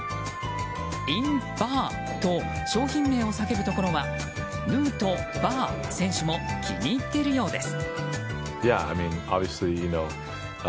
ｉｎバーと商品名を叫ぶところはヌートバー選手も気に入っているようです。